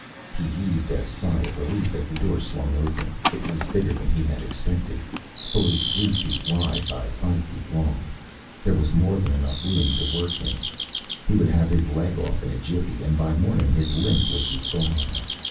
He heaved a sigh of relief as the door swung open, it was bigger than he had expected fully three feet wide by five feet long. There was more than enough room to work in. He would have his leg off in a jiffy and by morning his limp would be gone.